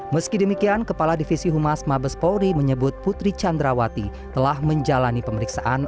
meski demikian kepala divisi humas mabes polri menyebut putri candrawati telah menjalani pemeriksaan